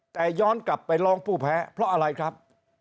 แต่ย้อนกลับไปร้องผู้แพ้เพราะอะไรครับ